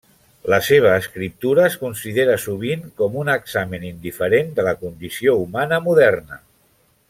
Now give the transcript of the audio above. La seva escriptura es considera sovint com un examen indiferent de la condició humana moderna.